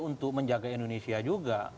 untuk menjaga indonesia juga